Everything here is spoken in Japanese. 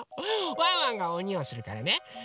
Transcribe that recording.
ワンワンがおにをするからねだから。